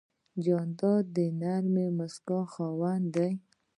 جانداد د نرمې موسکا خاوند دی.